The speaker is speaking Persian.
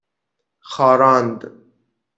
خاراند